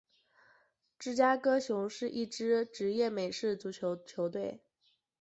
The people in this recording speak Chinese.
芝加哥熊是一支职业美式足球球队。